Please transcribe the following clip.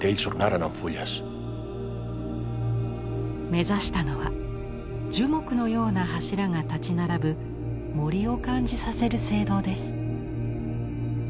目指したのは樹木のような柱が立ち並ぶ森を感じさせる聖堂です。